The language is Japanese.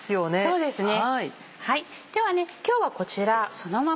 そうですね。